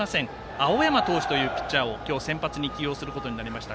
青山投手というピッチャーを今日、先発に起用することになりました。